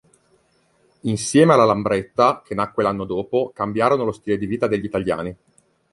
Insieme alla Lambretta, che nacque l'anno dopo, cambiarono lo stile di vita degli italiani.